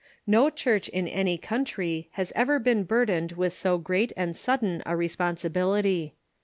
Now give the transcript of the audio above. No church in any country has ever been burdened with so gr^at and sudden a i*esponsi bility.